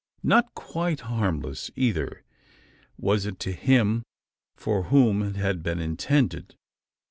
Not quite harmless, either, was it to him for whom it had been intended.